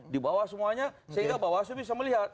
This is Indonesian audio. di bawah semuanya sehingga bawah aslo bisa melihat